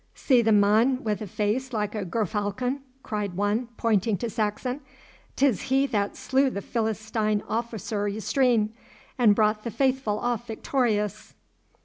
'See the mon wi' a face like a gerfalcon,' cried one, pointing to Saxon; ''tis he that slew the Philistine officer yestreen, an' brought the faithful off victorious.